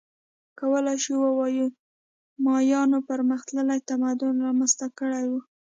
کولای شو ووایو مایایانو پرمختللی تمدن رامنځته کړی و